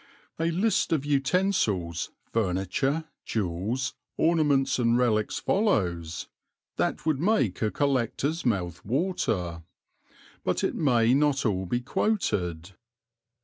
A list of utensils, furniture, jewels, ornaments and relics follows that would make a collector's mouth water, but it may not all be quoted.